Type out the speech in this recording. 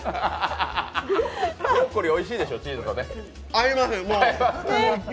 ブロッコリーおいしいでしょチーズとね。合います。